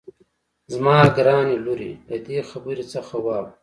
زما ګرانې لورې له دې خبرې څخه واوړه.